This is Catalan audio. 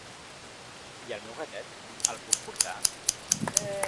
I el meu gatet, el puc portar?